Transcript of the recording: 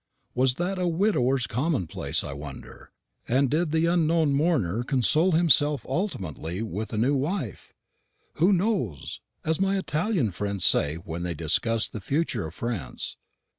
Was that a widower's commonplace, I wonder, and did the unknown mourner console himself ultimately with a new wife? Who knows? as my Italian friends say when they discuss the future of France.